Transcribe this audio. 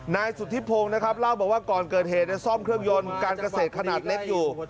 นายสุธิพงศ์นะครับเล่าบอกว่าก่อนเกิดเหตุในซ่อมเครื่องยนต์การเกษตรขนาดเล็กอยู่